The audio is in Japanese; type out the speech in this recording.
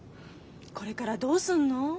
これからどうすんの？